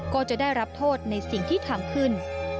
ก็จะได้รับโทษในสิ่งที่ทำขึ้น